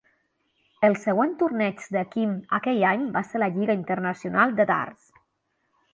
El següent torneig de King aquell any va ser la lliga internacional de dards.